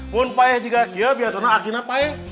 pun pake juga dia biar sana aki apaan